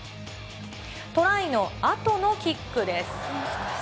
トライのあとのキックです。